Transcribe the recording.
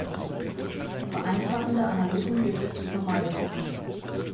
Vereinfachende Analysen gilt es zu vermeiden.